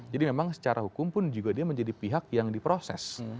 jadi memang secara hukum pun dia juga menjadi pihak yang diproses